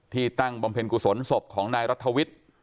ตั้งบำเพ็ญกุศลศพของนายรัฐวิทย์